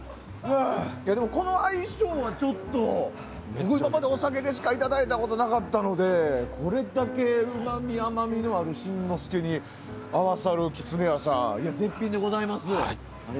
でも、この相性はちょっと僕はお酒でしかいただいたことないのでこれだけうまみ、甘みのある新之助に合わさるきつねやさん、絶品でございます。